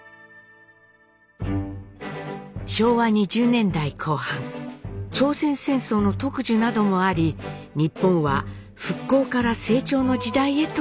昭和２０年代後半朝鮮戦争の特需などもあり日本は復興から成長の時代へと向かいます。